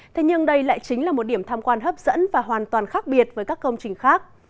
thế nhưng đây lại chính là một điểm tham quan hấp dẫn và hoàn toàn khác biệt với các công trình khác